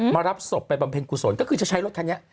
รับศพไปบำเพ็ญกุศลก็คือจะใช้รถคันนี้